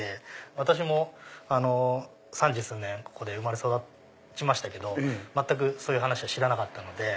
私も３０数年ここで生まれ育ちましたけど全くそういう話を知らなかったので。